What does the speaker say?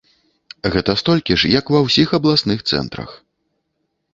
Гэта столькі ж, як у ва ўсіх абласных цэнтрах.